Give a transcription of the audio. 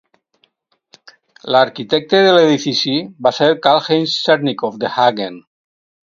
L'arquitecte de l'edifici va ser Karl-Heinz Zernikow de Hagen.